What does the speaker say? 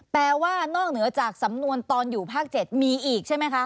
แปลว่านอกเหนือจากสำนวนตอนอยู่ภาค๗มีอีกใช่ไหมคะ